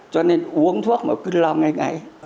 cho nên uống thuốc mà cứ lo ngay ngay